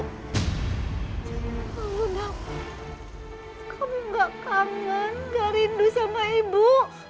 kamu gak kangen gak rindu sama ibu